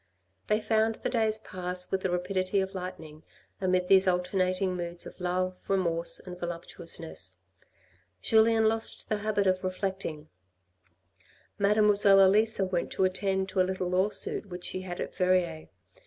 They found the days pass with the rapidity of lightning amid these alternating moods of love, remorse, and voluptuousness. Julien lost the habit of reflecting. Mademoiselle Elisa went to attend to a little lawsuit which she had at Verrieres.